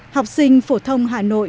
học sinh phổ thông hà nội